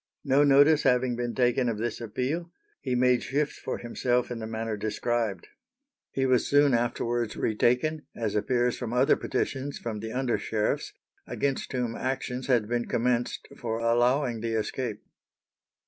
No notice having been taken of this appeal, he made shift for himself in the manner described. He was soon afterwards retaken, as appears from other petitions from the under sheriffs, against whom actions had been commenced for allowing the escape.